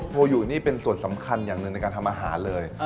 โยนี่เป็นส่วนสำคัญอย่างหนึ่งในการทำอาหารเลย